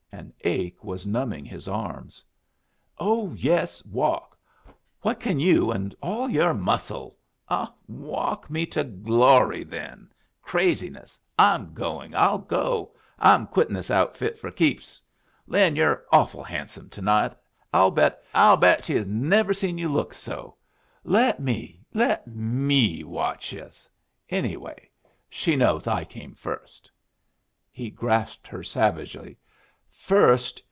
An ache was numbing his arms. "Oh yes, walk! What can you and all your muscle Ah, walk me to glory, then, craziness! I'm going; I'll go. I'm quitting this outfit for keeps. Lin, you're awful handsome to night! I'll bet I'll bet she has never seen you look so. Let me let me watch yus. Anyway, she knows I came first!" He grasped her savagely. "First!